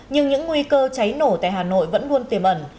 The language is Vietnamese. nhưng những nguy cơ cháy nổ tại hà nội vẫn luôn tiềm ẩn